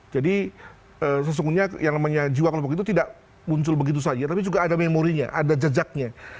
jadi sesungguhnya yang namanya jiwa kelompok itu tidak muncul begitu saja tapi juga ada memorinya ada jejaknya